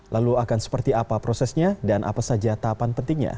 lalu akan seperti apa prosesnya dan apa saja tahapan pentingnya